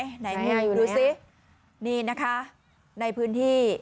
อยู่ไหนอยู่ไหนดูสินี่นะคะในพื้นที่